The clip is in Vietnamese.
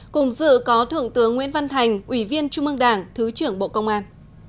cùng dự có thượng tướng nguyễn văn thành ủy viên trung ương đảng thứ trưởng bộ công an